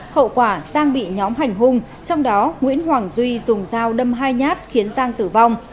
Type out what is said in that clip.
hậu quả giang bị nhóm hành hung trong đó nguyễn hoàng duy dùng dao đâm hai nhát khiến giang tử vong